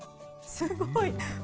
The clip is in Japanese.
すごい。